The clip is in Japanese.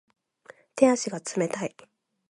手足が冷たい